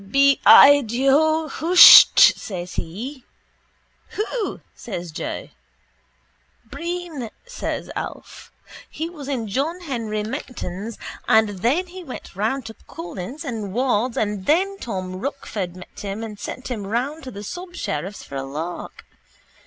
—Bi i dho husht, says he. —Who? says Joe. —Breen, says Alf. He was in John Henry Menton's and then he went round to Collis and Ward's and then Tom Rochford met him and sent him round to the subsheriff's for a lark.